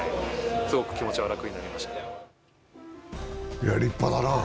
いや、立派だなあ。